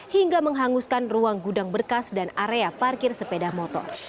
hingga menghanguskan ruang gudang berkas dan area parkir sepeda motor